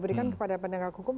berikan kepada penegak hukum